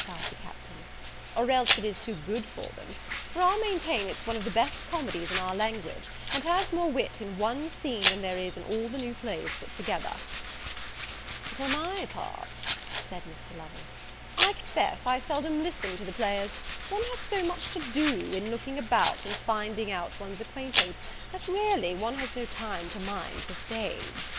cried the Captain, "or else it is too good for them; for I'll maintain it's one of the best comedies in our language, and has more wit in one scene than there is in all the new plays put together." "For my part," said Mr. Lovel, "I confess I seldom listen to the players: one has so much to do, in looking about and finding out one's acquaintance, that, really, one has no time to mind the stage.